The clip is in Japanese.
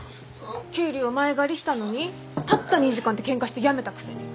給料前借りしたのにたった２時間でケンカして辞めたくせに。